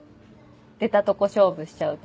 出たとこ勝負しちゃうとこ。